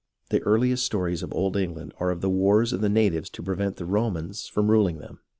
The earliest stories of old England are of the wars of the natives to prevent the Romans from ruling them.